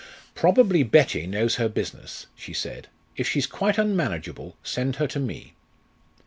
"Probably Betty knows her business," she said; "if she's quite unmanageable, send her to me."